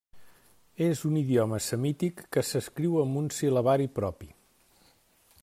És un idioma semític que s'escriu amb un sil·labari propi.